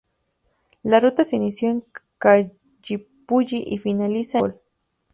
La ruta se inicia en Collipulli y finaliza en Angol.